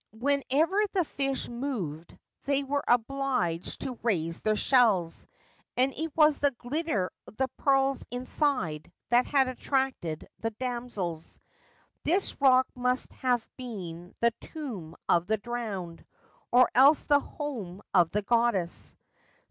Whenever the fish moved they were obliged to raise their shells, and it was the glitter of the pearls inside that had attracted the damsels. This rock must have been the tomb of the drowned, or else the home of the goddess.